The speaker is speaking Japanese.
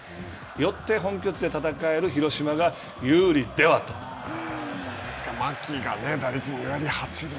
よって本拠地で戦える広島が有利牧が打率２割。